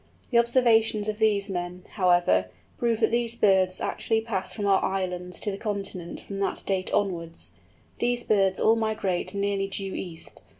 The observations of these men, however, prove that these birds actually pass from our islands to the Continent from that date onwards. These birds all migrate nearly due east.